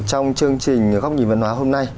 trong chương trình góc nhìn văn hóa hôm nay